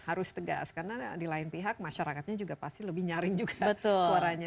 harus tegas karena di lain pihak masyarakatnya juga pasti lebih nyaring juga suaranya